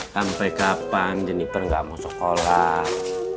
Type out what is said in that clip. sampai kapan jenniper nggak mau sekolah